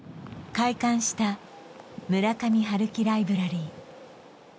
開館した「村上春樹ライブラリー」